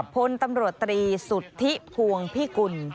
พลตำรวจตรีสุทธิพวงพิกุล